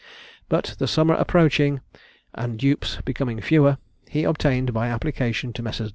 But the summer approaching and dupes becoming fewer, he obtained by application to Messrs.